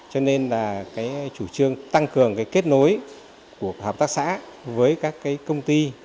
cho nên là cái chủ trương tăng cường kết nối của hợp tác xã với các công ty